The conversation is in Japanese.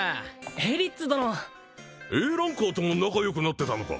エリッツ殿Ａランカーとも仲よくなってたのか